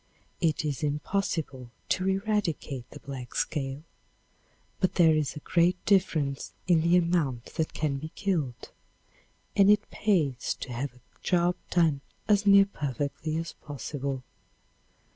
It is impossible to 'eradicate' the black scale, but there is a great difference in the amount that can be killed, and it pays to have a job done as near perfectly as possible.